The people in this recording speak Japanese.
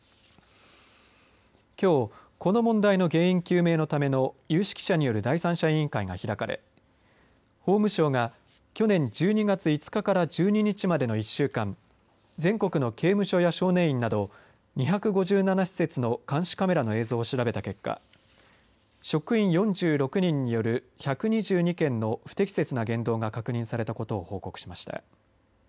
きょう、この問題の原因究明のための有識者による第三者委員会が開かれ法務省が去年１２月５日から１２日までの１週間全国の刑務所や少年院など２５７施設の監視カメラの映像を調べた結果職員４６人による１２２件の不適切な言動が確認されたことを報告しました。